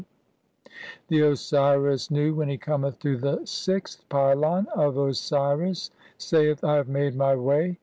(44) The Osiris Nu, when he cometh to the eleventh pylon of Osiris, saith :— "I have made [my] way.